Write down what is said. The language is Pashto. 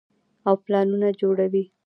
او پلانونه جوړوي -